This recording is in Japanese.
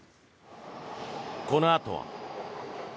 このあとは。